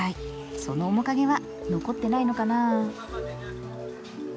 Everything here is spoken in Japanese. その面影は残ってないのかなあ。